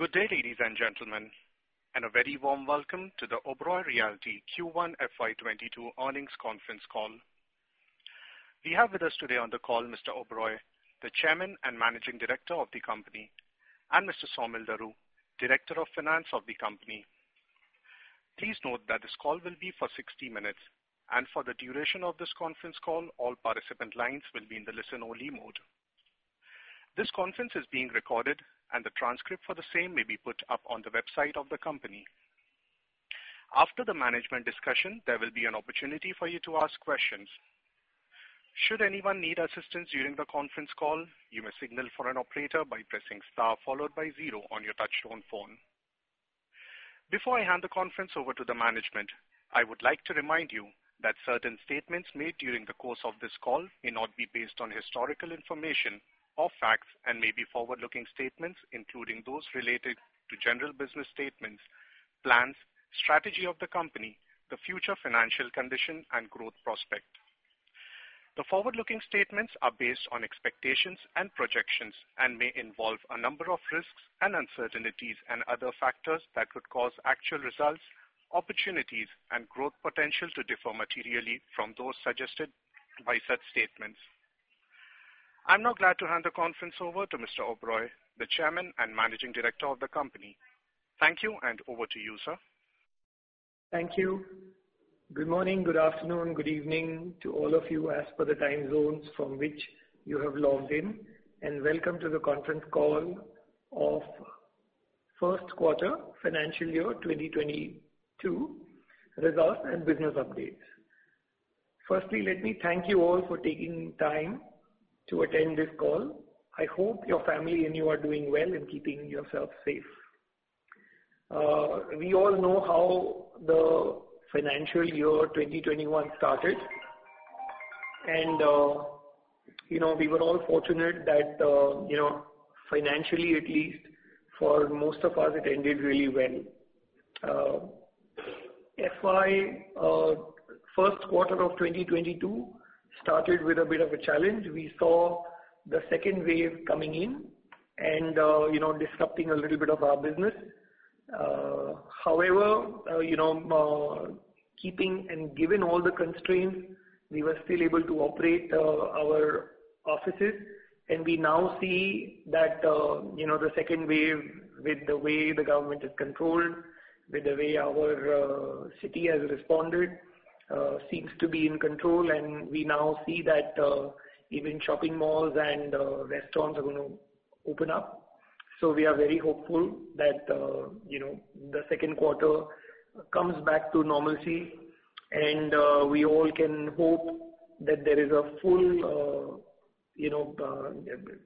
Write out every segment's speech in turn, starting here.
Good day, ladies and gentlemen, and a very warm welcome to the Oberoi Realty Q1 FY 2022 earnings conference call. We have with us today on the call Mr. Oberoi, the Chairman and Managing Director of the company, and Mr. Saumil Daru, Director of Finance of the company. Please note that this call will be for 60 minutes, and for the duration of this conference call, all participant lines will be in the listen-only mode. This conference is being recorded, and the transcript for the same may be put up on the website of the company. After the management discussion, there will be an opportunity for you to ask questions. Should anyone need assistance during the conference call, you may signal for an operator by pressing star followed by zero on your touchtone phone. Before I hand the conference over to the management, I would like to remind you that certain statements made during the course of this call may not be based on historical information or facts, and may be forward-looking statements, including those related to general business statements, plans, strategy of the company, the future financial condition, and growth prospect. The forward-looking statements are based on expectations and projections, and may involve a number of risks and uncertainties and other factors that could cause actual results, opportunities, and growth potential to differ materially from those suggested by such statements. I am now glad to hand the conference over to Mr. Oberoi, the Chairman and Managing Director of the company. Thank you, and over to you, sir. Thank you. Good morning, good afternoon, good evening to all of you as per the time zones from which you have logged in, and welcome to the conference call of first quarter financial year 2022 results and business updates. Firstly, let me thank you all for taking time to attend this call. I hope your family and you are doing well and keeping yourselves safe. We all know how the financial year 2021 started. We were all fortunate that financially, at least, for most of us, it ended really well. First quarter of 2022 started with a bit of a challenge. We saw the second wave coming in and disrupting a little bit of our business. However, keeping and given all the constraints, we were still able to operate our offices. We now see that the second wave, with the way the government has controlled, with the way our city has responded, seems to be in control. We now see that even shopping malls and restaurants are going to open up. We are very hopeful that the second quarter comes back to normalcy, and we all can hope that there is a full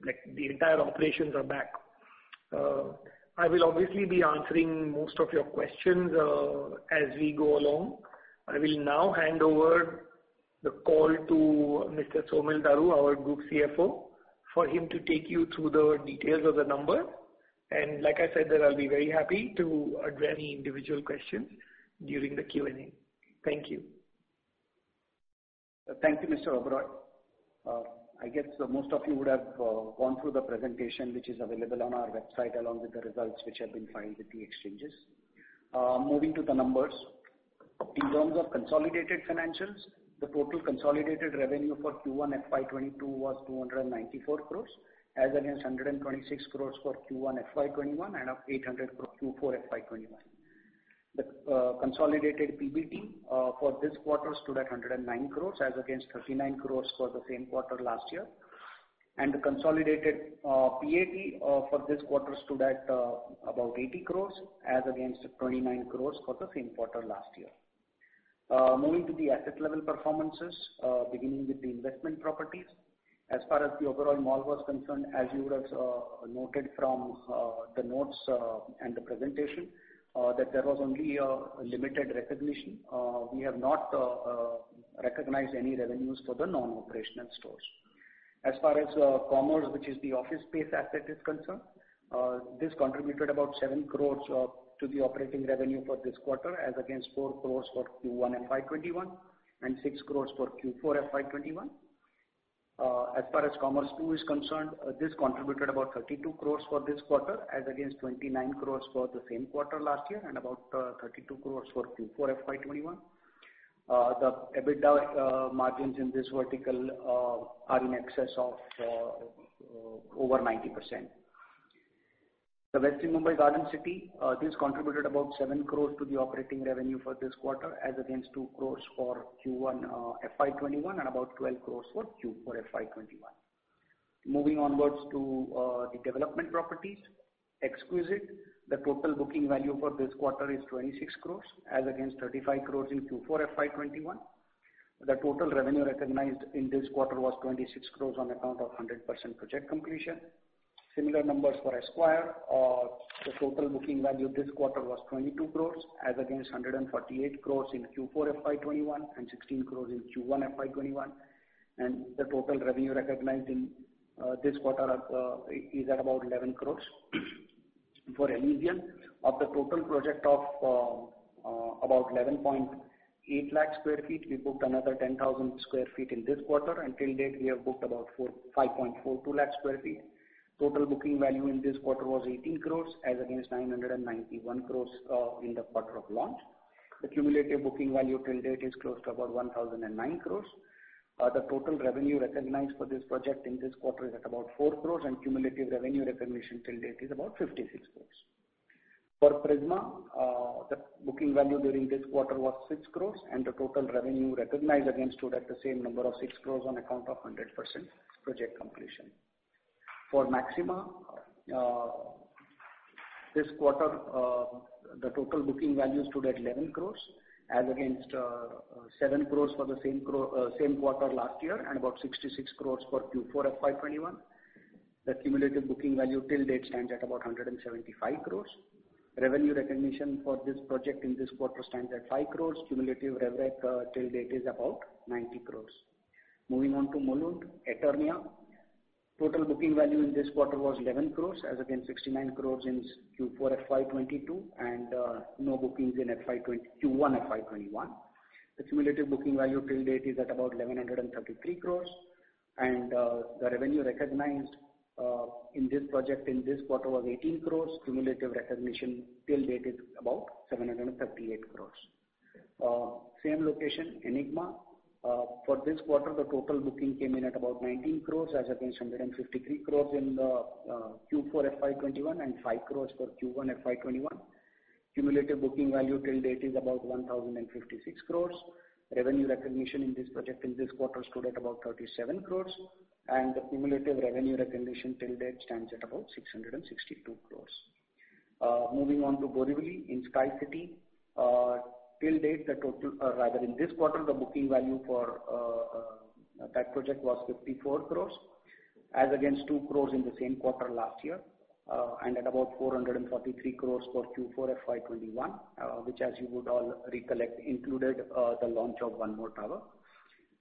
like the entire operations are back. I will obviously be answering most of your questions as we go along. I will now hand over the call to Mr. Saumil Daru, our Group CFO, for him to take you through the details of the numbers. Like I said, that I'll be very happy to address any individual questions during the Q&A. Thank you. Thank you, Mr. Oberoi. I guess most of you would have gone through the presentation, which is available on our website along with the results, which have been filed with the exchanges. Moving to the numbers. In terms of consolidated financials, the total consolidated revenue for Q1 FY 2022 was 294 crores as against 126 crores for Q1 FY 2021 and 800 crores for Q4 FY 2021. The consolidated PBT for this quarter stood at 109 crores as against 39 crores for the same quarter last year. The consolidated PAT for this quarter stood at about 80 crores as against 29 crores for the same quarter last year. Moving to the asset level performances. Beginning with the investment properties. As far as the overall mall was concerned, as you would have noted from the notes and the presentation, that there was only a limited recognition. We have not recognized any revenues for the non-operational stores. As far as Commerz, which is the office space asset is concerned, this contributed about 7 crores to the operating revenue for this quarter as against 4 crores for Q1 FY 2021 and 6 crores for Q4 FY 2021. As far as Commerz II is concerned, this contributed about 32 crores for this quarter as against 29 crores for the same quarter last year and about 32 crores for Q4 FY 2021. The EBITDA margins in this vertical are in excess of over 90%. The Oberoi Garden City, this contributed about 7 crores to the operating revenue for this quarter as against 2 crores for Q1 FY 2021 and about 12 crores for Q4 FY 2021. Moving onwards to the development properties. Exquisite. The total booking value for this quarter is 26 crores, as against 35 crores in Q4 FY 2021. The total revenue recognized in this quarter was 26 crores on account of 100% project completion. Similar numbers for Esquire. The total booking value this quarter was 22 crores as against 148 crores in Q4 FY 2021 and 16 crores in Q1 FY 2021. The total revenue recognized in this quarter is at about 11 crores. For Elysian. Of the total project of about 11.8 lakh sq ft, we booked another 10,000 sq ft in this quarter. Until date, we have booked about 5.42 lakh sq ft. Total booking value in this quarter was 18 crores as against 991 crores in the quarter of launch. The cumulative booking value till date is close to about 1,009 crores. The total revenue recognized for this project in this quarter is at about 4 crores, and cumulative revenue recognition till date is about 56 crores. For Prisma, the booking value during this quarter was 6 crores, and the total revenue recognized against stood at the same number of 6 crores on account of 100% project completion. For Maxima, this quarter, the total booking value stood at 11 crores as against 7 crores for the same quarter last year, and about 66 crores for Q4 FY 2021. The cumulative booking value till date stands at about 175 crores. Revenue recognition for this project in this quarter stands at 5 crores. Cumulative rev rec till date is about 90 crores. Moving on to Mulund Eternia. Total booking value in this quarter was 11 crores, as against 69 crores in Q4 FY 2022, and no bookings in Q1 FY 2021. The cumulative booking value till date is at about 1,133 crores, and the revenue recognized in this project in this quarter was 18 crores. Cumulative recognition till date is about 738 crores. Same location, Enigma. For this quarter, the total booking came in at about 19 crores, as against 153 crores in the Q4 FY 2021, and 5 crores for Q1 FY 2021. Cumulative booking value till date is about 1,056 crores. Revenue recognition in this project in this quarter stood at about 37 crores, and the cumulative revenue recognition till date stands at about 662 crores. Moving on to Borivali in Sky City. In this quarter, the booking value for that project was 54 crores as against 2 crores in the same quarter last year, and at about 443 crores for Q4 FY 2021, which as you would all recollect, included the launch of one more tower.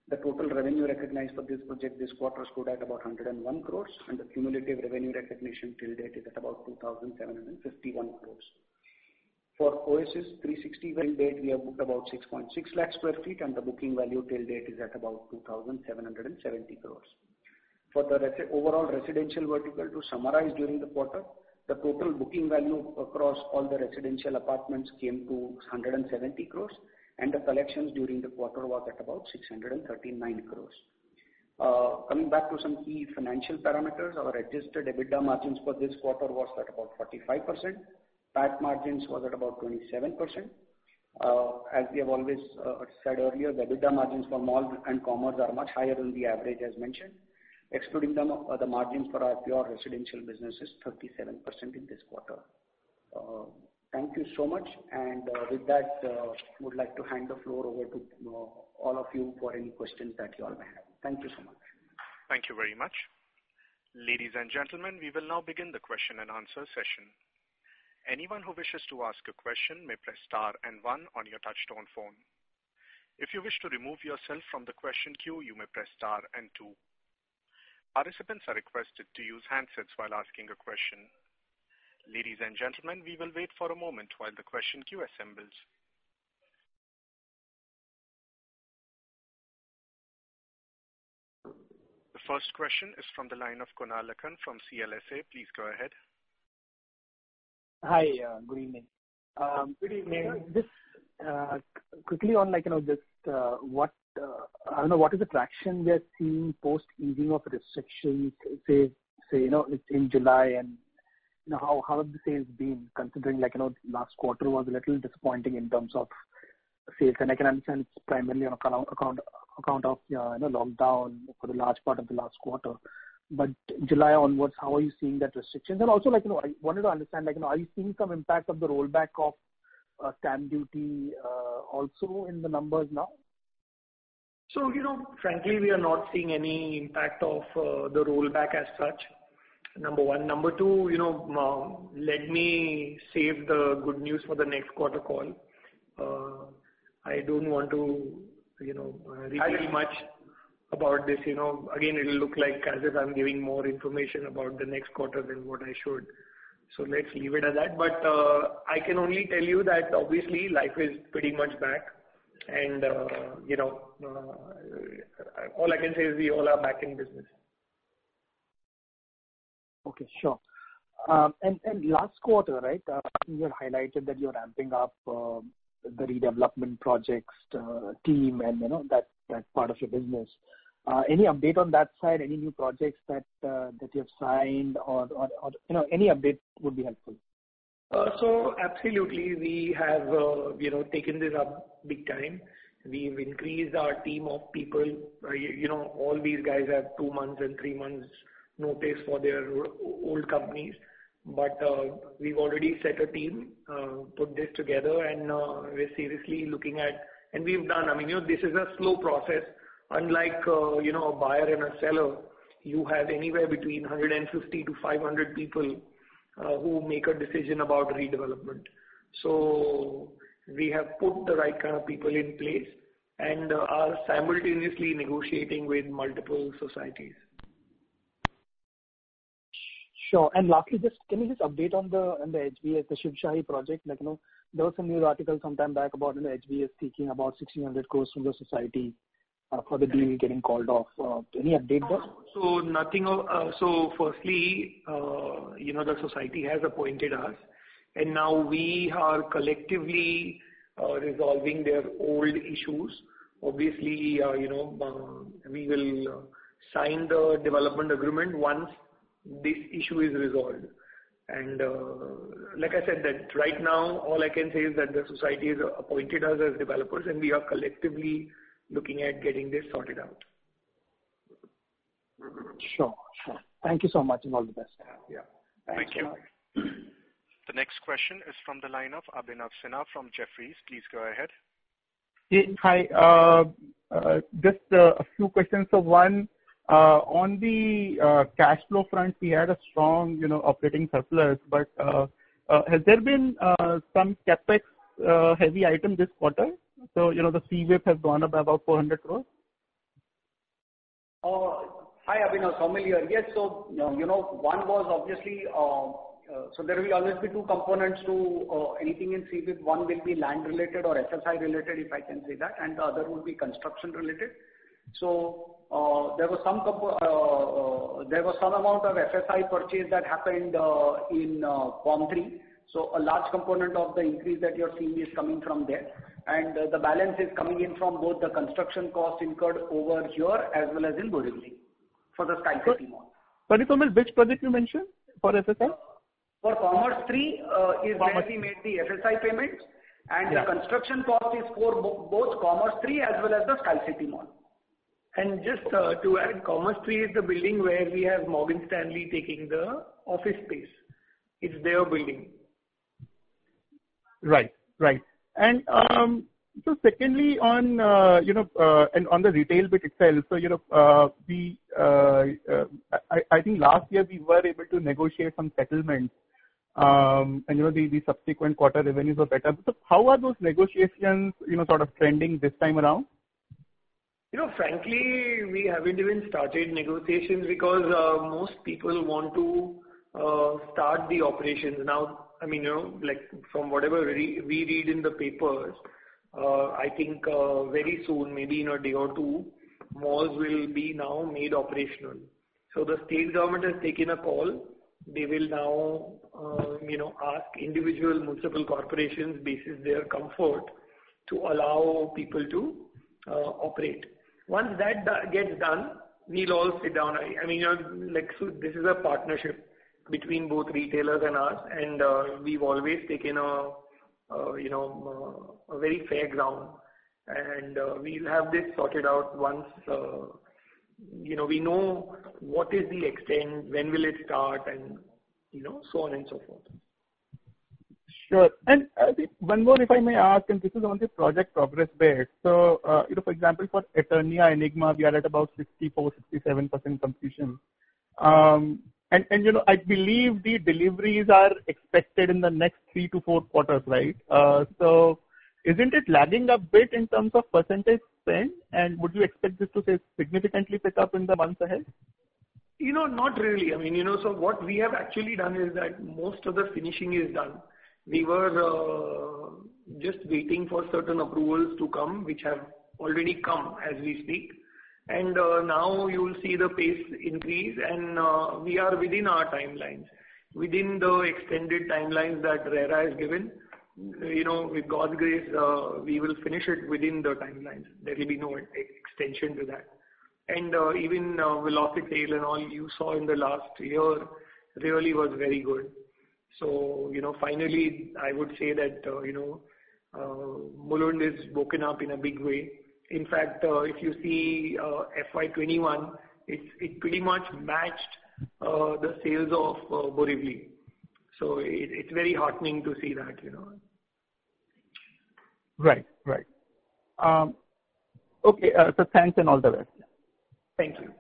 The total revenue recognized for this project this quarter stood at about 101 crores, and the cumulative revenue recognition till date is at about 2,751 crores. For Three Sixty West, till date we have booked about 6.6 lakh sq ft, the booking value till date is at about 2,770 crores. For the overall residential vertical, to summarize during the quarter, the total booking value across all the residential apartments came to 170 crores, the collections during the quarter was at about 639 crores. Coming back to some key financial parameters. Our adjusted EBITDA margins for this quarter was at about 45%. PAT margins was at about 27%. As we have always said earlier, the EBITDA margins for mall and Commerz are much higher than the average, as mentioned. Excluding them, the margin for our pure residential business is 37% in this quarter. Thank you so much. With that, would like to hand the floor over to all of you for any questions that you all may have. Thank you so much. Thank you very much. Ladies and gentlemen, we will now begin the question and answer session. Anyone who wishes to ask a question may press star and one on your touch-tone phone. If you wish to remove yourself from the question queue, you may press star and two. Participants are requested to use handsets while asking a question. Ladies and gentlemen, we will wait for a moment while the question queue assembles. The first question is from the line of Kunal Lakhan from CLSA. Please go ahead. Hi. Good evening. Good evening. Just quickly on this, what is the traction we are seeing post easing of restrictions, say, in July, and how have the sales been, considering last quarter was a little disappointing in terms of sales? I can understand it's primarily on account of lockdown for the large part of the last quarter. July onwards, how are you seeing that restrictions? Also, I wanted to understand, are you seeing some impact of the rollback of stamp duty also in the numbers now? Frankly, we are not seeing any impact of the rollback as such, number one. Number two, let me save the good news for the next quarter call. I don't want to reveal much about this. Again, it'll look like as if I'm giving more information about the next quarter than what I should. Let's leave it at that. I can only tell you that obviously life is pretty much back and all I can say is we all are back in business. Okay, sure. Last quarter, right, you had highlighted that you're ramping up the redevelopment projects team and that part of your business. Any update on that side? Any new projects that you have signed or any update would be helpful. Absolutely. We have taken this up big time. We've increased our team of people. All these guys have two months and three months notice for their old companies. We've already set a team, put this together, and we're seriously looking at. This is a slow process. Unlike a buyer and a seller, you have anywhere between 150-500 people who make a decision about redevelopment. We have put the right kind of people in place and are simultaneously negotiating with multiple societies. Sure. Lastly, can you just update on the HBS, the Shivshahi project? There was a news article some time back about HBS seeking about 1,600 crores from the society for the deal getting called off. Any update there? Firstly, the society has appointed us, and now we are collectively resolving their old issues. Obviously, we will sign the development agreement once this issue is resolved. Like I said, right now, all I can say is that the society has appointed us as developers, and we are collectively looking at getting this sorted out. Sure. Thank you so much, and all the best. Yeah. Thank you. Thank you. The next question is from the line of Abhinav Sinha from Jefferies. Please go ahead. Hi. Just a few questions. On the cash flow front, we had a strong operating surplus. Has there been some CapEx-heavy item this quarter? The CWIP has gone up by about 400 crores. Hi, Abhinav. Saumil here. Yes. There will always be two components to anything in CWIP. One will be land-related or FSI-related, if I can say that, and the other will be construction-related. There was some amount of FSI purchase that happened in Comm III. A large component of the increase that you're seeing is coming from there, and the balance is coming in from both the construction costs incurred over here as well as in Borivali for the Sky City Mall. Sorry, Saumil, which project you mentioned for FSI? For Commerz III. Commerz is where we made the FSI payments. Yeah. The construction cost is for both Commerz III as well as the Sky City Mall. Just to add, Commerz III is the building where we have Morgan Stanley taking the office space. It's their building. Right. Secondly, on the retail bit itself, I think last year we were able to negotiate some settlements, and the subsequent quarter revenues were better. How are those negotiations sort of trending this time around? Frankly, we haven't even started negotiations because most people want to start the operations now. From whatever we read in the papers, I think very soon, maybe in a day or two, malls will be now made operational. The state government has taken a call. They will now ask individual municipal corporations, basis their comfort, to allow people to operate. Once that gets done, we'll all sit down. This is a partnership between both retailers and us, and we've always taken a very fair ground, and we'll have this sorted out once we know what is the extent, when will it start, and so on and so forth. Sure. I think one more, if I may ask, and this is on the project progress bit. For example, for Eternia, Enigma, we are at about 64%, 67% completion. I believe the deliveries are expected in the next three to four quarters, right? Isn't it lagging a bit in terms of percentage spend, and would you expect this to significantly pick up in the months ahead? Not really. What we have actually done is that most of the finishing is done. We were just waiting for certain approvals to come, which have already come as we speak. Now you will see the pace increase, and we are within our timelines, within the extended timelines that RERA has given. With God's grace, we will finish it within the timelines. There will be no extension to that. Even velocity and all you saw in the last year really was very good. Finally, I would say that Mulund has woken up in a big way. In fact, if you see FY 2021, it pretty much matched the sales of Borivali. It's very heartening to see that. Right. Okay. Thanks and all the best. Thank you.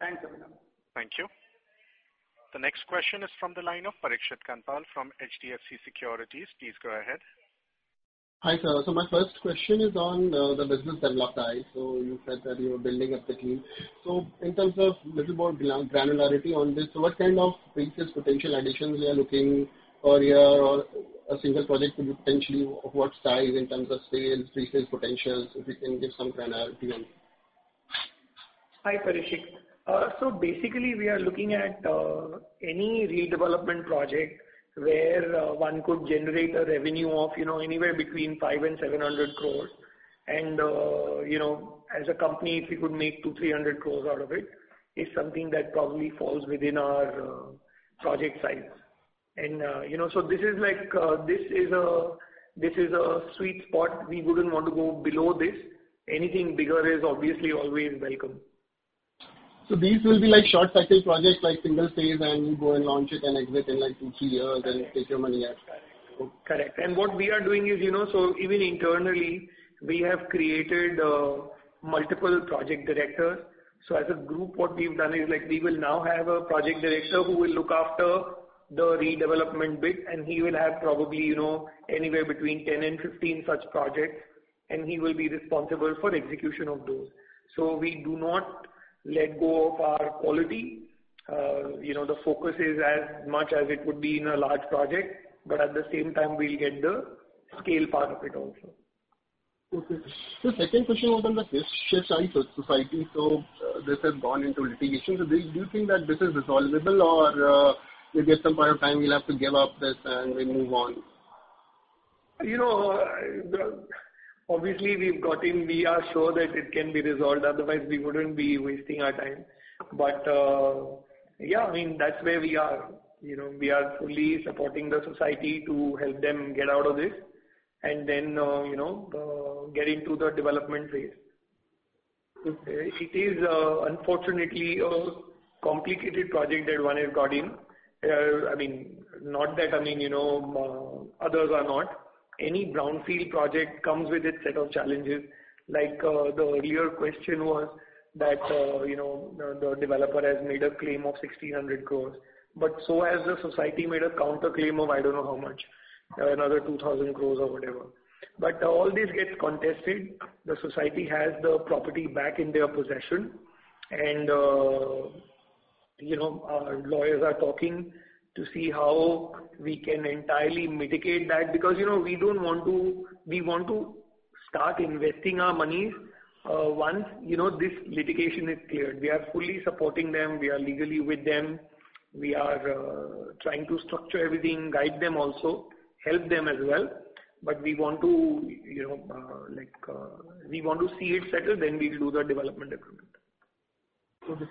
Thanks, Abhinav. Thank you. The next question is from the line of Parikshit Kandpal from HDFC Securities. Please go ahead. Hi, sir. My first question is on the business development side. You said that you're building up the team. In terms of little more granularity on this, what kind of features potential additions you are looking for a single project potentially of what size in terms of sales, pre-sales potentials, if you can give some granularity then? Hi, Parikshit. Basically, we are looking at any redevelopment project where one could generate a revenue of anywhere between 5 crores-700 crores. As a company, if we could make 200 crores, 300 crores out of it, is something that probably falls within our project size. This is a sweet spot. We wouldn't want to go below this. Anything bigger is obviously always welcome. These will be short-cycle projects, like single phase and go and launch it and exit in two, three years and take your money out. Correct. What we are doing is, so even internally, we have created multiple project directors. As a group, what we've done is we will now have a project director who will look after the redevelopment bit, and he will have probably anywhere between 10 and 15 such projects. He will be responsible for execution of those. We do not let go of our quality. The focus is as much as it would be in a large project, but at the same time, we'll get the scale part of it also. Okay. Second question was on the Shivshahi Cooperative Society. This has gone into litigation. Do you think that this is resolvable or at some point of time you'll have to give up this and we move on? Obviously we've got in, we are sure that it can be resolved, otherwise we wouldn't be wasting our time. Yeah, that's where we are. We are fully supporting the society to help them get out of this and then, get into the development phase. Okay. It is unfortunately a complicated project that one has got in. Not that others are not. Any brownfield project comes with its set of challenges. Like, the earlier question was that, the developer has made a claim of 1,600 crores, but so has the society made a counter claim of I don't know how much, another 2,000 crores or whatever, but all this gets contested. The society has the property back in their possession and our lawyers are talking to see how we can entirely mitigate that because, we want to start investing our money once this litigation is cleared. We are fully supporting them. We are legally with them. We are trying to structure everything, guide them also, help them as well. We want to see it settled, then we'll do the development improvement.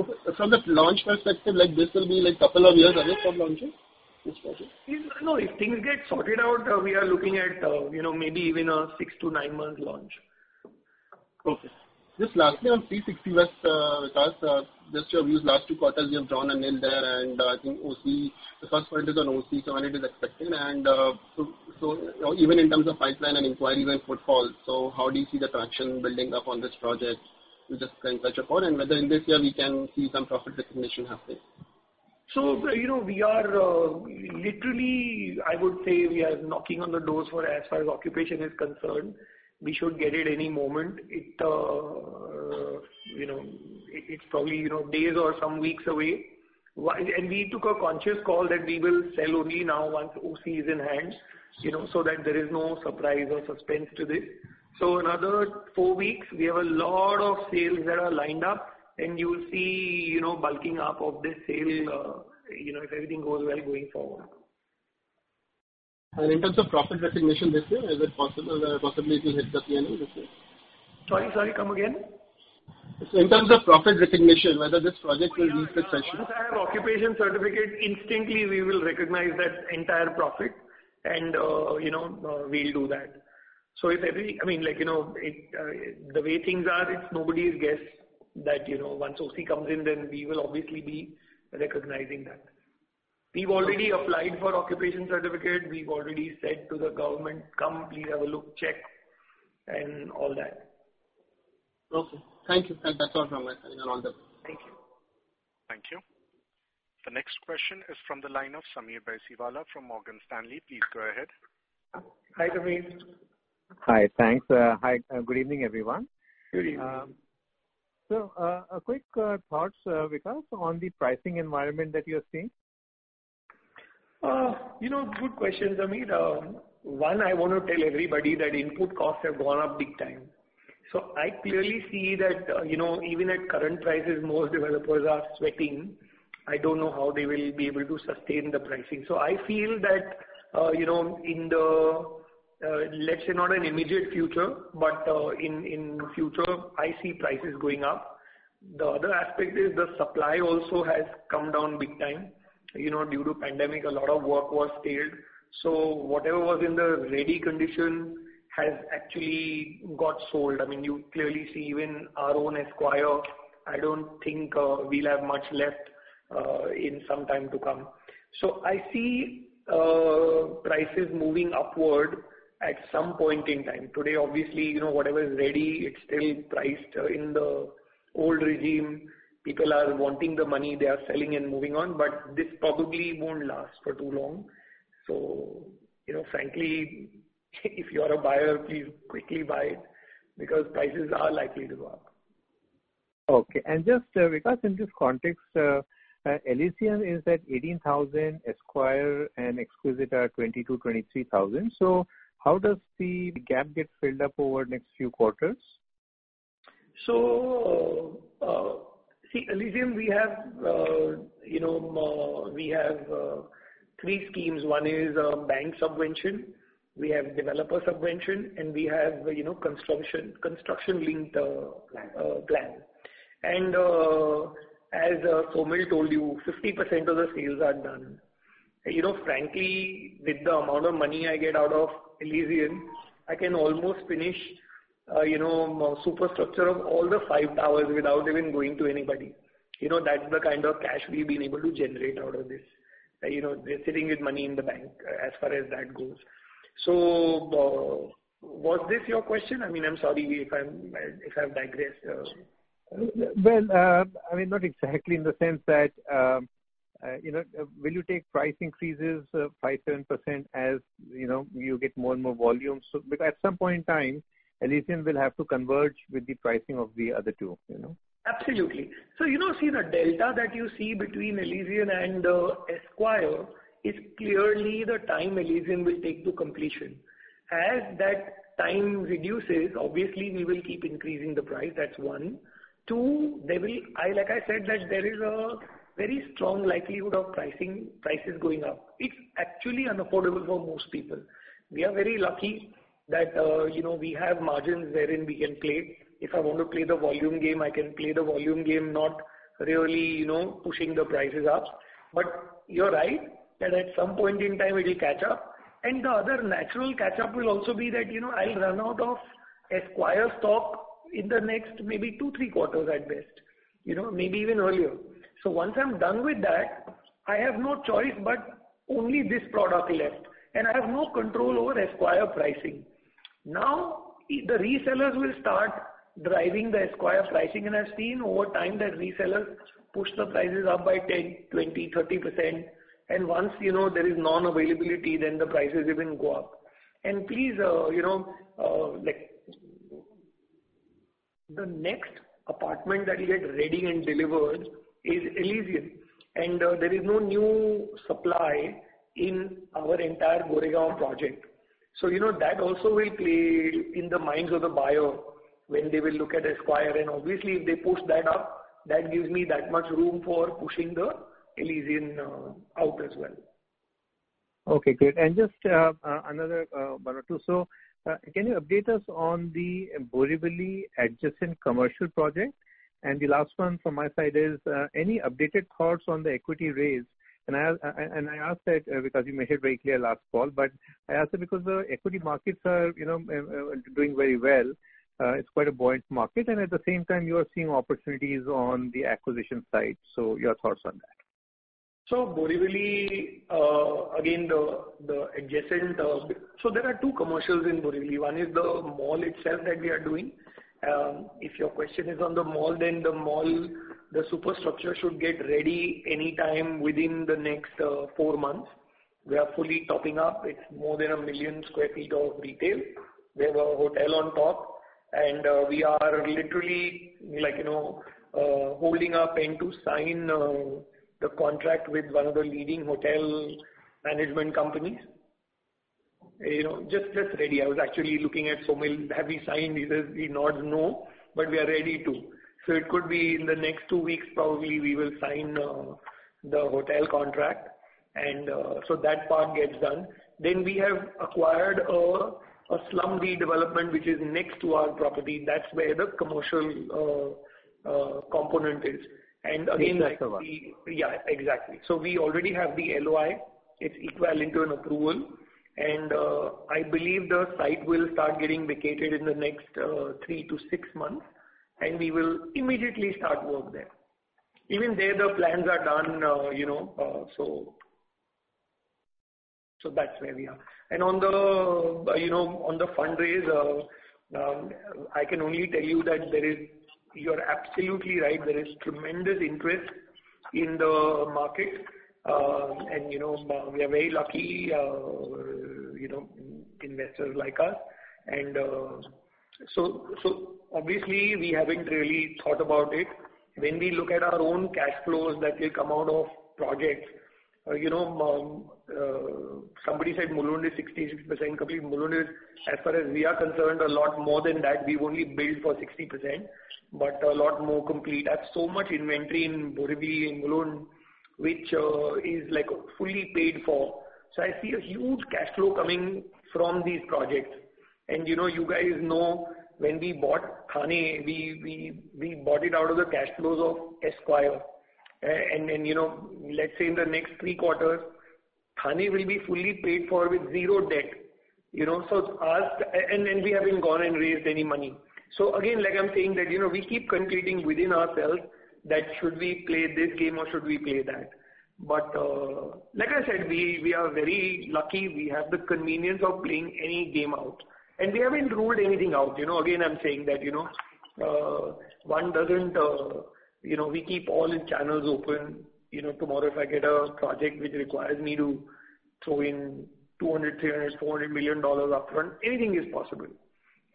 Okay. From the launch perspective, this will be two years away from launching, this project? No. If things get sorted out, we are looking at maybe even a six to nine-month launch. Okay. Just lastly on Three Sixty West, Vikas. Just your views, last two quarters you have drawn a nil there. I think OC, the first part is on OC, when it is expected even in terms of pipeline and inquiry went footfall. How do you see the traction building up on this project with this kind of touch upon and whether in this year we can see some profit recognition happening? We are literally, I would say we are knocking on the doors for as far as occupation is concerned, we should get it any moment. It's probably days or some weeks away. We took a conscious call that we will sell only now once OC is in hand, so that there is no surprise or suspense to this. Another four weeks, we have a lot of sales that are lined up and you will see bulking up of the sale, if everything goes well going forward. In terms of profit recognition this year, is it possible that possibly it will hit the P&L this year? Sorry. Come again? In terms of profit recognition, whether this project will meet the session. Once I have occupation certificate, instantly we will recognize that entire profit and we'll do that. The way things are, it's nobody's guess that, once OC comes in, then we will obviously be recognizing that. We've already applied for occupation certificate. We've already said to the government, "Come, please have a look, check," and all that. Okay. Thank you. That's all from my side. I'm all done. Thank you. Thank you. The next question is from the line of Sameer Baisiwala from Morgan Stanley. Please go ahead. Hi, Sameer. Hi. Thanks. Hi. Good evening, everyone. Good evening. A quick thoughts, Vikas, on the pricing environment that you're seeing. Good question, Sameer. One, I want to tell everybody that input costs have gone up big time. I clearly see that, even at current prices, most developers are sweating. I don't know how they will be able to sustain the pricing. I feel that, let's say, not in immediate future, but in future, I see prices going up. The other aspect is the supply also has come down big time. Due to pandemic, a lot of work was stalled. Whatever was in the ready condition has actually got sold. You clearly see even our own Esquire, I don't think we'll have much left in some time to come. I see prices moving upward at some point in time. Today, obviously, whatever is ready, it's still priced in the old regime. People are wanting the money, they are selling and moving on. This probably won't last for too long. Frankly, if you are a buyer, please quickly buy because prices are likely to go up. Just, Vikas, in this context, Elysian is at 18,000, Esquire and Exquisite are 22,000, 23,000. How does the gap get filled up over next few quarters? See, Elysian, we have three schemes. One is bank subvention, we have developer subvention, and we have construction-linked plan. As Saumil told you, 50% of the sales are done. Frankly, with the amount of money I get out of Elysian, I can almost finish superstructure of all the five towers without even going to anybody. That's the kind of cash we've been able to generate out of this. They're sitting with money in the bank, as far as that goes. Was this your question? I'm sorry if I've digressed. Well, not exactly in the sense. Will you take price increases of 5%, 7% as you get more and more volumes? At some point in time, Elysian will have to converge with the pricing of the other two. Absolutely. You don't see the delta that you see between Elysian and Esquire is clearly the time Elysian will take to completion. As that time reduces, obviously, we will keep increasing the price. That's one. Two, like I said, there is a very strong likelihood of prices going up. It's actually unaffordable for most people. We are very lucky that we have margins wherein we can play. If I want to play the volume game, I can play the volume game, not really pushing the prices up. You're right, that at some point in time, it will catch up. The other natural catchup will also be that I'll run out of Esquire stock in the next maybe two, three quarters at best, maybe even earlier. Once I'm done with that, I have no choice but only this product left, and I have no control over Esquire pricing. Now, the resellers will start driving the Esquire pricing, and I've seen over time that resellers push the prices up by 10%, 20%, 30%, and once there is non-availability, then the prices even go up. Please, the next apartment that you get ready and delivered is Elysian, and there is no new supply in our entire Goregaon project. That also will play in the minds of the buyer when they will look at Esquire, and obviously, if they push that up, that gives me that much room for pushing the Elysian out as well. Okay, great. Just another one or two. Can you update us on the Borivali adjacent commercial project? The last one from my side is, any updated thoughts on the equity raise? I ask that because you made it very clear last call, but I ask it because the equity markets are doing very well. It's quite a buoyant market, and at the same time, you are seeing opportunities on the acquisition side. Your thoughts on that. Borivali, there are two commercials in Borivali. One is the mall itself that we are doing. If your question is on the mall, the mall, the superstructure should get ready any time within the next four months. We are fully topping up. It's more than 1,000,000 sq ft of retail. We have a hotel on top, we are literally holding our pen to sign the contract with one of the leading hotel management companies. Just ready. I was actually looking at Saumil. Have we signed this? We not know, we are ready to. It could be in the next two weeks, probably, we will sign the hotel contract. That part gets done. We have acquired a slum redevelopment, which is next to our property. That's where the commercial component is. Yeah, exactly. We already have the LOI. It's equivalent to an approval. I believe the site will start getting vacated in the next three to six months, and we will immediately start work there. Even there, the plans are done. That's where we are. On the fundraise, I can only tell you that you're absolutely right, there is tremendous interest in the market. We are very lucky, investors like us. Obviously, we haven't really thought about it. When we look at our own cash flows that will come out of projects, somebody said Mulund is 66% complete. Mulund is, as far as we are concerned, a lot more than that. We've only billed for 60%, but a lot more complete. I have so much inventory in Borivali, in Mulund, which is fully paid for. I see a huge cash flow coming from these projects. You guys know when we bought Thane, we bought it out of the cash flows of Esquire. Then let's say in the next three quarters, Thane will be fully paid for with zero debt. We haven't gone and raised any money. Again, like I'm saying that we keep competing within ourselves that should we play this game or should we play that? Like I said, we are very lucky. We have the convenience of playing any game out, and we haven't ruled anything out. Again, I'm saying that we keep all the channels open. Tomorrow, if I get a project which requires me to throw in $200 million, $300 million, $400 million upfront, anything is possible.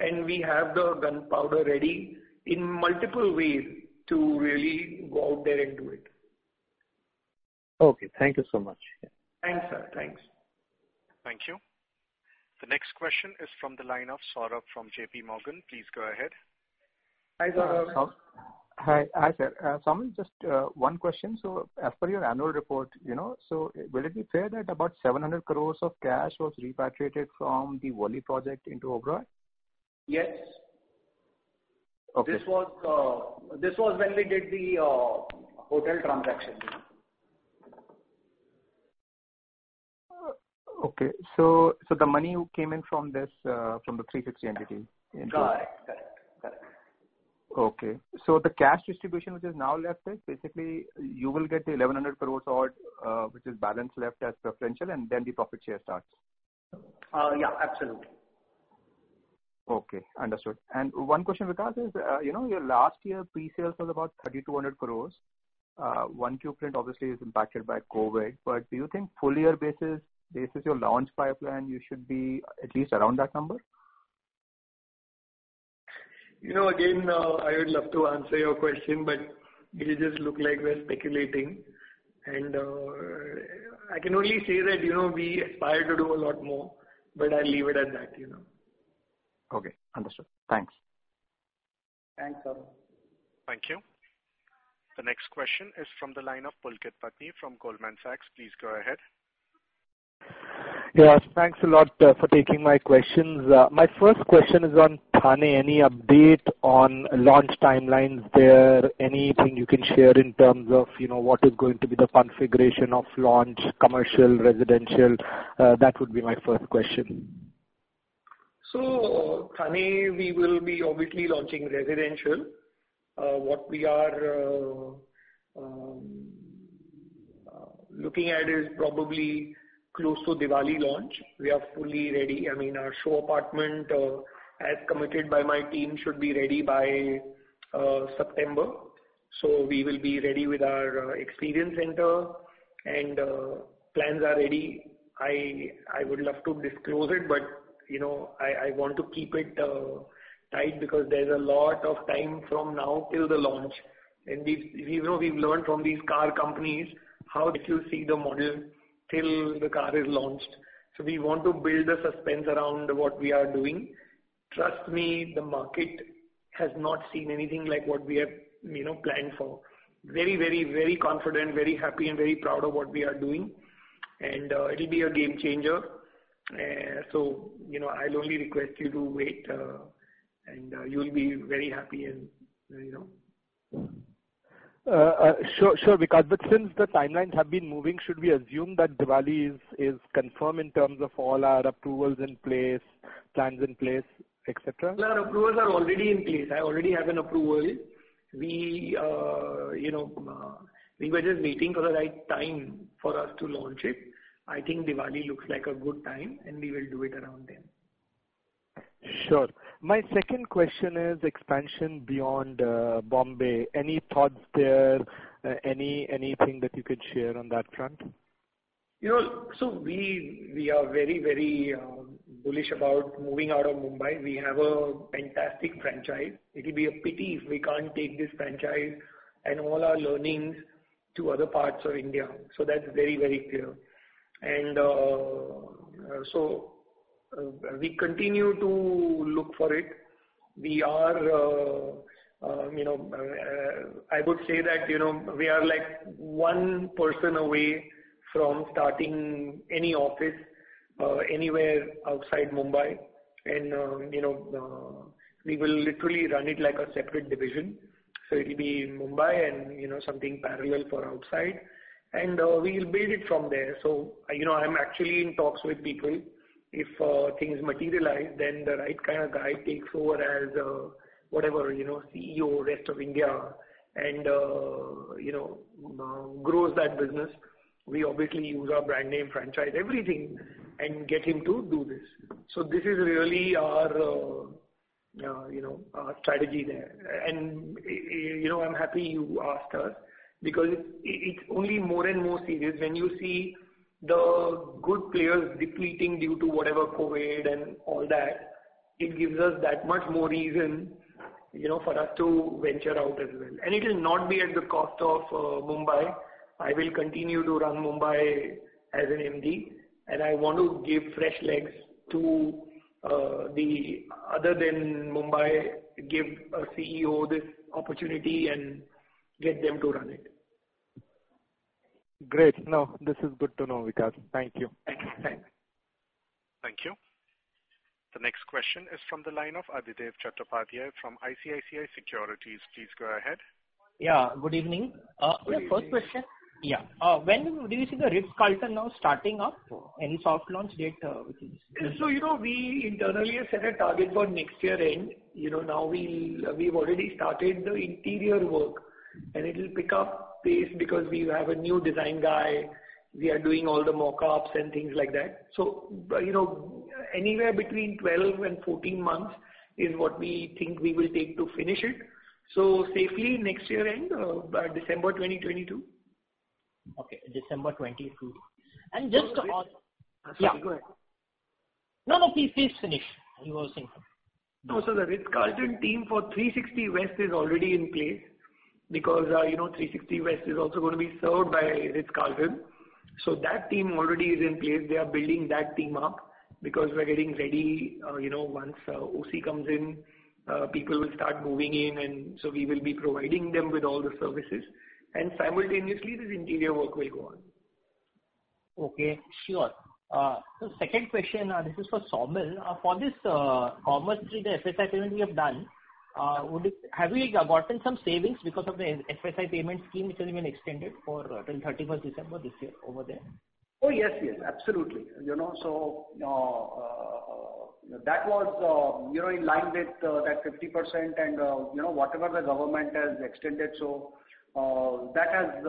We have the gunpowder ready in multiple ways to really go out there and do it. Okay. Thank you so much. Thanks, sir. Thanks. Thank you. The next question is from the line of Saurabh from JPMorgan. Please go ahead. Hi, Saurabh. Hi, sir. Saumil, just one question. As per your annual report, will it be fair that about 700 crores of cash was repatriated from the Worli project into Oberoi Realty? Yes. Okay. This was when we did the hotel transaction. Okay. The money came in from the Three Sixty entity into. Correct. The cash distribution which is now left is basically you will get the 1,100 crores-odd, which is balance left as preferential, and then the profit share starts. Yeah, absolutely. Okay, understood. One question, Vikas, is your last year pre-sales was about 3,200 crores. One, 1Q obviously is impacted by COVID, do you think full year basis your launch pipeline, you should be at least around that number? Again, I would love to answer your question, but it'll just look like we're speculating. I can only say that we aspire to do a lot more, but I'll leave it at that. Okay, understood. Thanks. Thanks, Saurabh. Thank you. The next question is from the line of Pulkit Patni from Goldman Sachs. Please go ahead. Thanks a lot for taking my questions. My first question is on Thane. Any update on launch timelines there? Anything you can share in terms of what is going to be the configuration of launch, commercial, residential? That would be my first question. Thane, we will be obviously launching residential. What we are looking at is probably close to Diwali launch. We are fully ready. Our show apartment, as committed by my team, should be ready by September. We will be ready with our experience center and plans are ready. I would love to disclose it, but I want to keep it tight because there's a lot of time from now till the launch. We've learned from these car companies how to see the model till the car is launched. We want to build the suspense around what we are doing. Trust me, the market has not seen anything like what we have planned for. Very confident, very happy, and very proud of what we are doing. It'll be a game changer. I'll only request you to wait, and you'll be very happy. Sure, Vikas. Since the timelines have been moving, should we assume that Diwali is confirmed in terms of all our approvals in place, plans in place, et cetera? No, our approvals are already in place. I already have an approval. We were just waiting for the right time for us to launch it. I think Diwali looks like a good time, and we will do it around then. Sure. My second question is expansion beyond Mumbai. Any thoughts there? Anything that you could share on that front? We are very bullish about moving out of Mumbai. We have a fantastic franchise. It will be a pity if we can't take this franchise and all our learnings to other parts of India. That's very clear. We continue to look for it. I would say that we are one person away from starting any office anywhere outside Mumbai. We will literally run it like a separate division. It'll be Mumbai and something parallel for outside. We'll build it from there. I'm actually in talks with people. If things materialize, then the right kind of guy takes over as CEO rest of India and grows that business. We obviously use our brand name, franchise, everything, and get him to do this. This is really our strategy there. I'm happy you asked us because it's only more and more serious when you see the good players depleting due to COVID and all that. It gives us that much more reason for us to venture out as well. It will not be at the cost of Mumbai. I will continue to run Mumbai as an MD, and I want to give fresh legs to the other than Mumbai, give a CEO this opportunity, and get them to run it. Great. No, this is good to know, Vikas. Thank you. Thanks. Thank you. The next question is from the line of Adhidev Chattopadhyay from ICICI Securities. Please go ahead. Yeah, good evening. Good evening. My first question. When do you see The Ritz-Carlton now starting up? Any soft launch date we can see? We internally have set a target for next year end. We've already started the interior work, and it will pick up pace because we have a new design guy. We are doing all the mock-ups and things like that. Anywhere between 12-14 months is what we think we will take to finish it. Safely next year end, by December 2022. Okay, December 2022. Sorry, go ahead. No, please finish what you were saying. No. The Ritz-Carlton team for Three Sixty West is already in place because Three Sixty West is also going to be served by Ritz-Carlton. That team already is in place. They are building that team up because we're getting ready. Once OC comes in, people will start moving in, and so we will be providing them with all the services. Simultaneously, this interior work will go on. Okay, sure. Second question. This is for Saumil. For this Commerz III the FSI payment we have done, have we gotten some savings because of the FSI payment scheme, which has been extended till 31st December this year over there? Oh, yes. Absolutely. That was in line with that 50% and whatever the government has extended. That has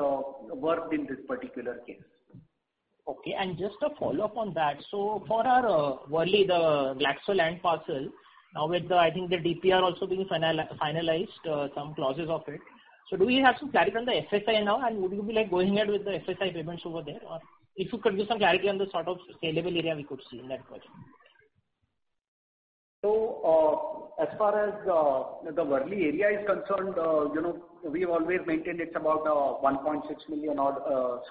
worked in this particular case. Okay, just a follow-up on that. For our Worli Glaxo land parcel, now with, I think, the DPR also being finalized, some clauses of it. Do we have to clarify on the FSI now, and would you be going ahead with the FSI payments over there, or if you could give some clarity on the sort of saleable area we could see in that project? As far as the Worli is concerned, we've always maintained it's about 1.6 million-odd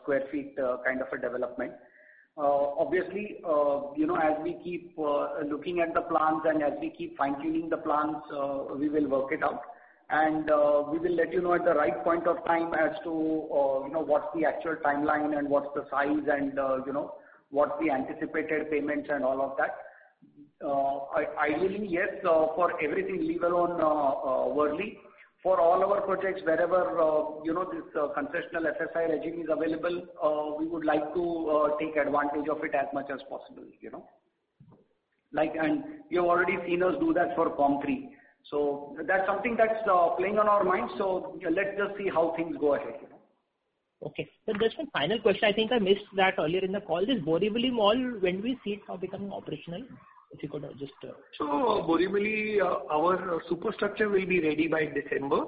square feet kind of a development. Obviously, as we keep looking at the plans and as we keep fine-tuning the plans, we will work it out, and we will let you know at the right point of time as to what's the actual timeline and what's the size and what's the anticipated payments and all of that. Ideally, yes, for everything, leave alone Worli. For all our projects wherever this concessional FSI regime is available, we would like to take advantage of it as much as possible. You've already seen us do that for Comm III. That's something that's playing on our minds. Let's just see how things go ahead. Okay. Sir, just a final question. I think I missed that earlier in the call. This Borivali Mall, when we see it becoming operational? Borivali, our superstructure will be ready by December,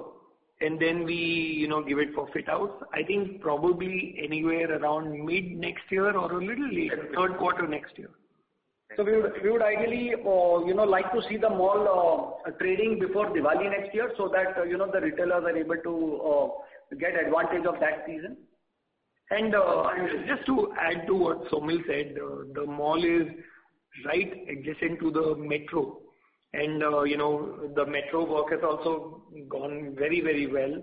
and then we give it for fit-outs. I think probably anywhere around mid next year or a little later, third quarter next year. We would ideally like to see the mall trading before Diwali next year, so that the retailers are able to get advantage of that season. Just to add to what Saumil said, the mall is right adjacent to the metro, and the metro work has also gone very, very well,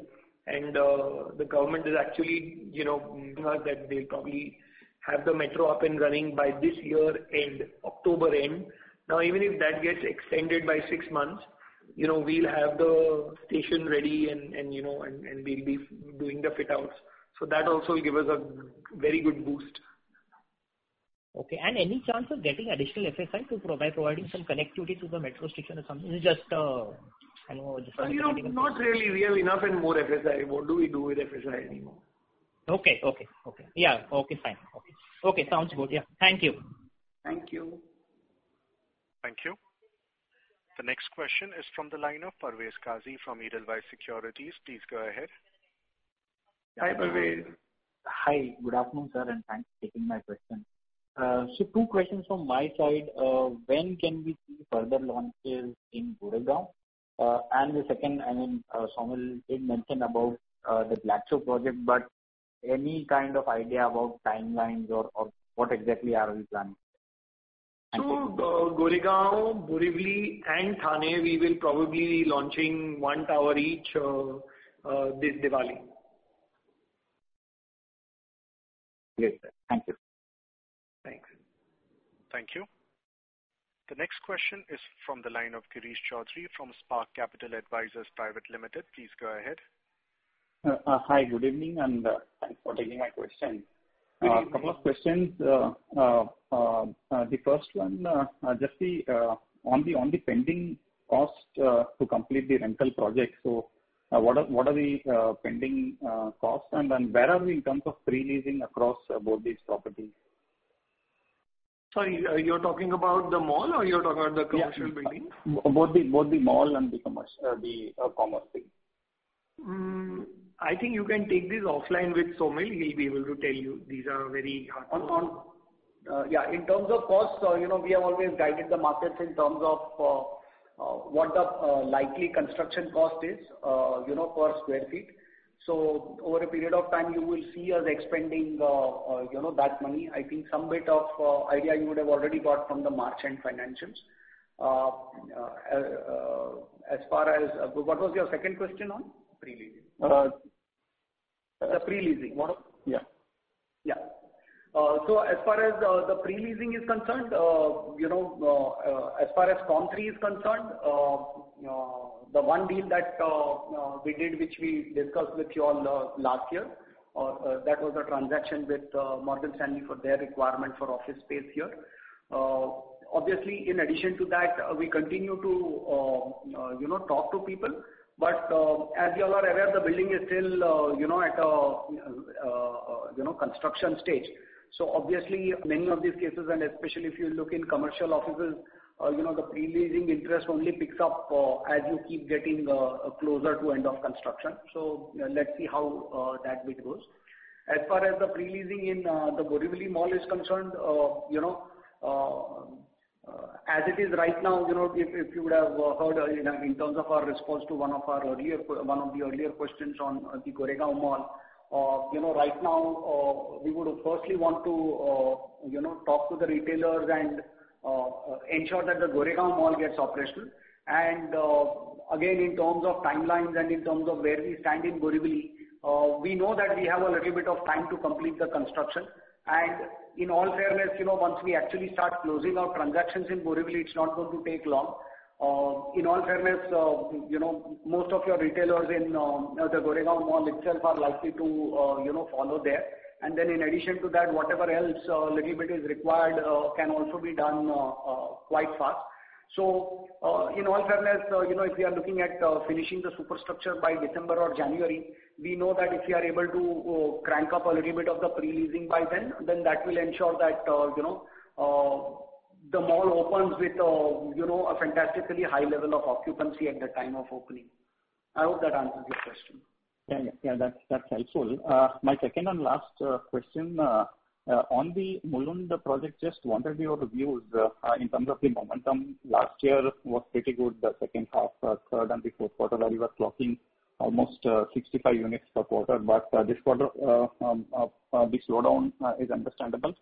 and the government is actually telling us that they'll probably have the metro up and running by this year end, October end. Even if that gets extended by six months, we'll have the station ready, and we'll be doing the fit-outs. That also will give us a very good boost. Okay, any chance of getting additional FSI by providing some connectivity to the metro station or something? Not really. We have enough and more FSI. What do we do with FSI anymore? Okay, fine. Okay, sounds good. Thank you. Thank you. Thank you. The next question is from the line of Parvez Qazi from Edelweiss Securities. Please go ahead. Hi, Parvez. Hi, good afternoon, sir, and thanks for taking my question. Two questions from my side. When can we see further launches in Goregaon? The second, Saumil did mention about the Glaxo project, but any kind of idea about timelines or what exactly are we planning? Goregaon, Borivali, and Thane, we will probably be launching one tower each this Diwali. Great. Thank you. Thanks. Thank you. The next question is from the line of Girish Choudhary from Spark Capital Advisors Private Limited. Please go ahead. Hi, good evening, and thanks for taking my question. A couple of questions. The first one, just on the pending cost to complete the rental project. What are the pending costs, and then where are we in terms of pre-leasing across both these properties? Sorry, you're talking about the mall or you're talking about the commercial building? Both the mall and the Commerz. I think you can take this offline with Saumil. He'll be able to tell you. In terms of costs, we have always guided the markets in terms of what the likely construction cost is per square feet. Over a period of time, you will see us expending that money. I think some bit of idea you would have already got from the March end financials. What was your second question on? Pre-leasing. The pre-leasing. Yeah. As far as the pre-leasing is concerned, as far as Comm III is concerned, the one deal that we did, which we discussed with you all last year, that was a transaction with Morgan Stanley for their requirement for office space here. Obviously, in addition to that, we continue to talk to people. As you all are aware, the building is still at construction stage. Obviously, many of these cases, and especially if you look in commercial offices, the pre-leasing interest only picks up as you keep getting closer to end of construction. Let's see how that bit goes. As far as the pre-leasing in the Borivali Mall is concerned, as it is right now, if you would have heard in terms of our response to one of the earlier questions on the Goregaon Mall. Right now, we would firstly want to talk to the retailers and ensure that the Goregaon Mall gets operational. Again, in terms of timelines and in terms of where we stand in Borivali, we know that we have a little bit of time to complete the construction. In all fairness, once we actually start closing our transactions in Borivali, it's not going to take long. In all fairness, most of your retailers in the Goregaon Mall itself are likely to follow there. Then in addition to that, whatever else. Maybe it is required, can also be done quite fast. In all fairness, if we are looking at finishing the superstructure by December or January, we know that if we are able to crank up a little bit of the pre-leasing by then that will ensure that the mall opens with a fantastically high level of occupancy at the time of opening. I hope that answers your question. Yeah. That's helpful. My second and last question, on the Mulund project, just wanted your views in terms of the momentum. Last year was pretty good, the second half, third and the fourth quarter, where you were clocking almost 65 units per quarter. This quarter, the slowdown is understandable.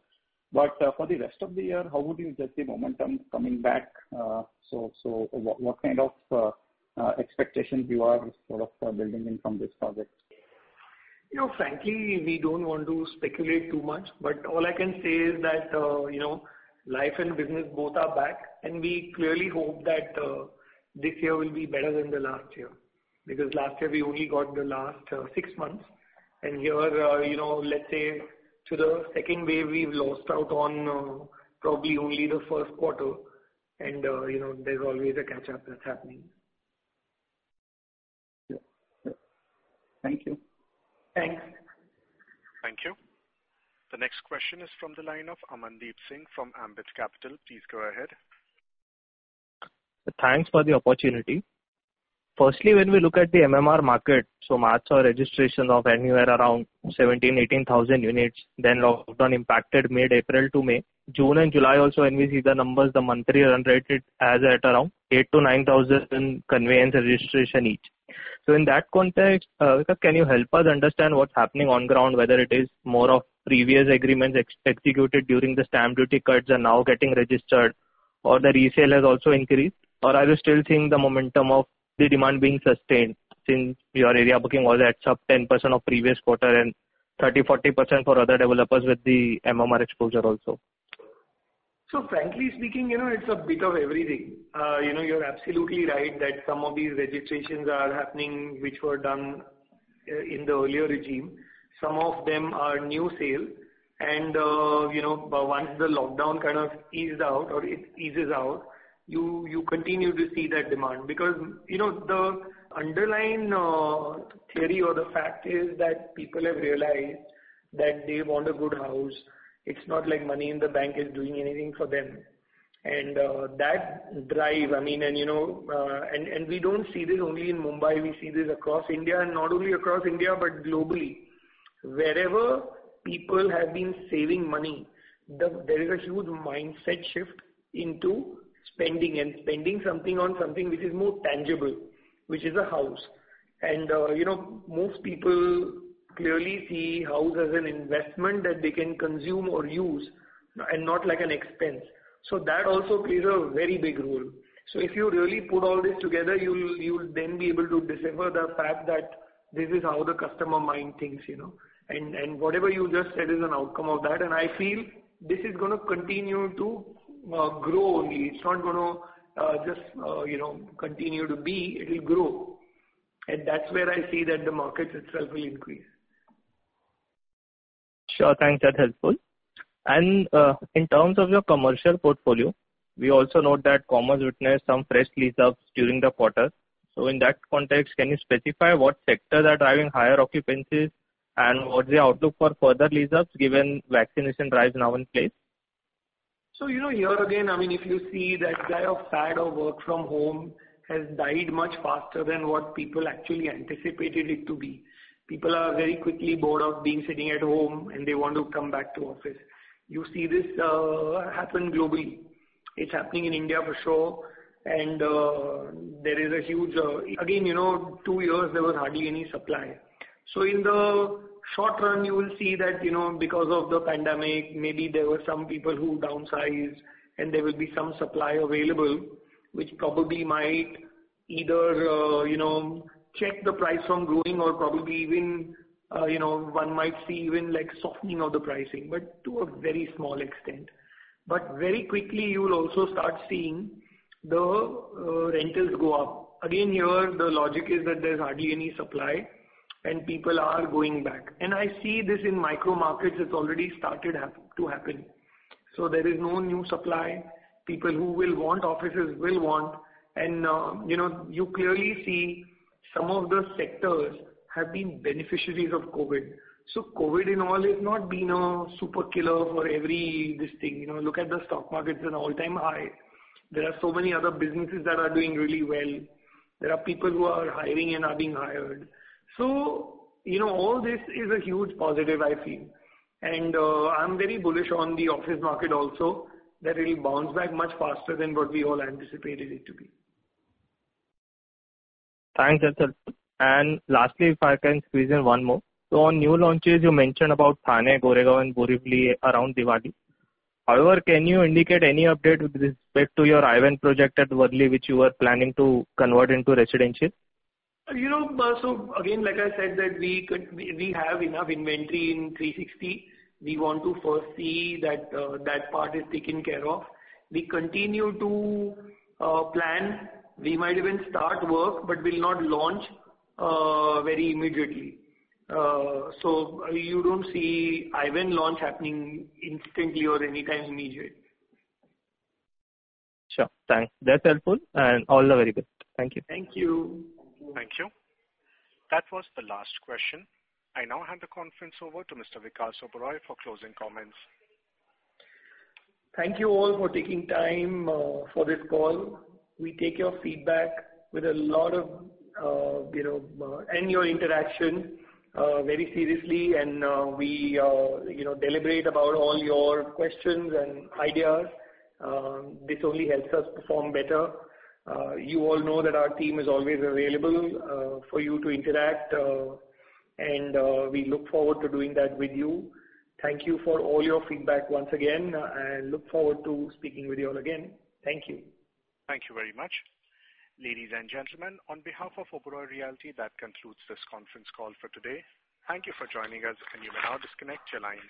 For the rest of the year, how would you judge the momentum coming back? What kind of expectations you are sort of building in from this project? Frankly, we don't want to speculate too much. All I can say is that, life and business both are back, and we clearly hope that this year will be better than the last year. Last year, we only got the last 6 months. Here, let's say to the second wave, we've lost out on probably only the first quarter, and there's always a catch-up that's happening. Yeah. Thank you. Thanks. Thank you. The next question is from the line of Amandeep Singh from Ambit Capital. Please go ahead. Thanks for the opportunity. Firstly, when we look at the MMR market, March saw registration of anywhere around 17,000, 18,000 units, then lockdown impacted mid-April to May. June and July also, when we see the numbers, the monthly run rate is at around 8,000-9,000 conveyance registration each. In that context, can you help us understand what's happening on ground, whether it is more of previous agreements executed during the stamp duty cuts are now getting registered, or the resale has also increased? Are you still seeing the momentum of the demand being sustained since your area booking was at some 10% of previous quarter and 30%, 40% for other developers with the MMR exposure also? Frankly speaking, it's a bit of everything. You're absolutely right that some of these registrations are happening, which were done in the earlier regime. Some of them are new sale. Once the lockdown kind of eased out or it eases out, you continue to see that demand. The underlying theory or the fact is that people have realized that they want a good house. It's not like money in the bank is doing anything for them. That drive, and we don't see this only in Mumbai. We see this across India, and not only across India, but globally. Wherever people have been saving money, there is a huge mindset shift into spending, and spending something on something which is more tangible, which is a house. Most people clearly see house as an investment that they can consume or use, and not like an expense. That also plays a very big role. If you really put all this together, you'll then be able to decipher the fact that this is how the customer mind thinks. Whatever you just said is an outcome of that, and I feel this is going to continue to grow only. It'll grow. That's where I see that the markets itself will increase. Sure. Thanks. That's helpful. In terms of your commercial portfolio, we also note that Commerz witnessed some fresh lease-ups during the quarter. In that context, can you specify what sectors are driving higher occupancies, and what's the outlook for further lease-ups given vaccination drives now in place? Here again, if you see that kind of fad of work from home has died much faster than what people actually anticipated it to be. People are very quickly bored of being sitting at home, and they want to come back to office. You see this happen globally. It is happening in India for sure. Again, two years, there was hardly any supply. In the short run, you will see that because of the pandemic, maybe there were some people who downsized, and there will be some supply available, which probably might either check the price from growing or probably even one might see even softening of the pricing, but to a very small extent. Very quickly, you will also start seeing the rentals go up. Again here, the logic is that there is hardly any supply, and people are going back. I see this in micro markets, it's already started to happen. There is no new supply. People who will want offices will want. You clearly see some of the sectors have been beneficiaries of COVID. COVID in all has not been a super killer for every this thing. Look at the stock market is an all-time high. There are so many other businesses that are doing really well. There are people who are hiring and are being hired. All this is a huge positive, I feel. I'm very bullish on the office market also, that it will bounce back much faster than what we all anticipated it to be. Thanks. That's helpful. Lastly, if I can squeeze in one more. On new launches, you mentioned about Thane, Goregaon, Borivali around Diwali. However, can you indicate any update with respect to your I-Ven project at Worli, which you were planning to convert into residential? Again, like I said that we have enough inventory in Three Sixty. We want to first see that that part is taken care of. We continue to plan. We might even start work, but we will not launch very immediately. You don't see I-Ven launch happening instantly or anytime immediately. Sure. Thanks. That's helpful. All the very best. Thank you. Thank you. Thank you. That was the last question. I now hand the conference over to Mr. Vikas Oberoi for closing comments. Thank you all for taking time for this call. We take your feedback, and your interaction, very seriously, and we deliberate about all your questions and ideas. This only helps us perform better. You all know that our team is always available for you to interact, and we look forward to doing that with you. Thank you for all your feedback once again, and look forward to speaking with you all again. Thank you. Thank you very much. Ladies and gentlemen, on behalf of Oberoi Realty, that concludes this conference call for today. Thank you for joining us, and you may now disconnect your lines.